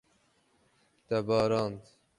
Te barand.